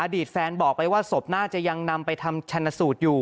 ตแฟนบอกไปว่าศพน่าจะยังนำไปทำชนสูตรอยู่